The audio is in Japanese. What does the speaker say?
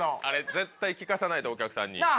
あれ絶対聞かさないとお客さんに。